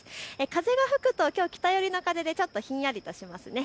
風が吹くときょう北寄りの風でちょっとひんやりとしますね。